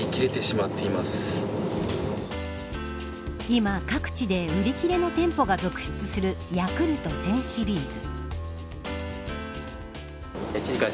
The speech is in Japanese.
今、各地で売り切れの店舗が続出するヤクルト１０００シリーズ。